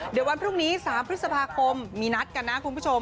เดี๋ยววันพรุ่งนี้๓พฤษภาคมมีนัดกันนะคุณผู้ชม